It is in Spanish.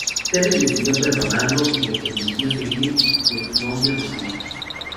Terry decidió perdonarlo y le permitió seguir de novio de su hija.